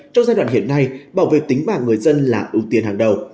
trong giai đoạn hiện nay bảo vệ tính mạng người dân là ưu tiên hàng đầu